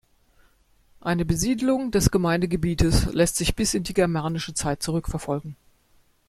Eine Besiedelung des Gemeindegebietes lässt sich bis in die germanische Zeit zurückverfolgen.